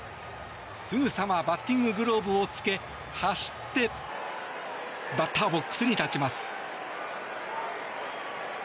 すぐさまバッティンググローブをつけ、走ってバッターボックスに立ちます。